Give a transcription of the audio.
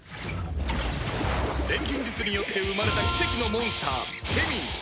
錬金術によって生まれた奇跡のモンスターケミー